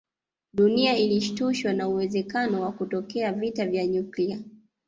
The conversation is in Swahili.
Dunia ilishtushwa na uwezekano wa kutokea vita vya nyuklia